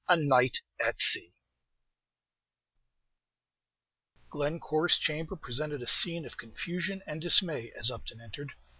A NIGHT AT SEA Glencore's chamber presented a scene of confusion and dismay as Upton entered.